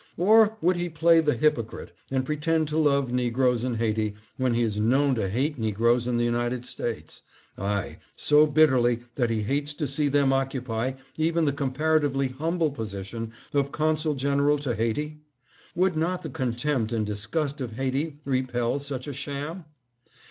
Or would he play the hypocrite and pretend to love negroes in Haiti when he is known to hate negroes in the United States, — aye, so bitterly that he hates to see them occupy even the comparatively humble position of Consul General to Haiti? Would not the contempt and disgust of Haiti repel such a sham?